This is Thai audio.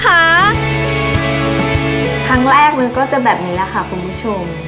ครั้งแรกมันก็จะแบบนี้แหละค่ะคุณผู้ชม